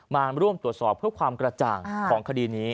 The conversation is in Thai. มาร่วมตรวจสอบเพื่อความกระจ่างของคดีนี้